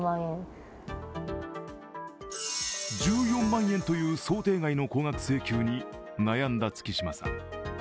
１４万円という、想定外の高額請求に悩んだ月島さん。